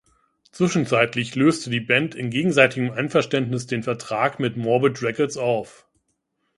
Zwischenzeitlich löste die Band in gegenseitigem Einverständnis den Vertrag mit Morbid Records auf.